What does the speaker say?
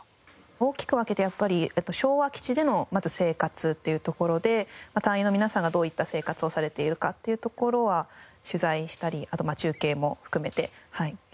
大きく分けてやっぱり昭和基地でのまず生活っていうところで隊員の皆さんがどういった生活をされているかっていうところは取材したり中継も含めてやりました。